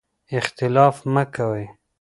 اختلاف مه کوئ.